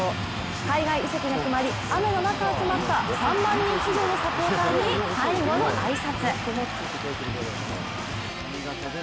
海外移籍が決まり、雨の中集まった３万人以上のサポーターに最後の挨拶。